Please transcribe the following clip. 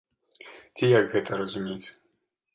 Ці як гэта разумець?